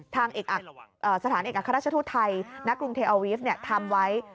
ทางสถานเอกอักษรรชธุทธัยนักกรุงเทอวิฟท์ทำไว้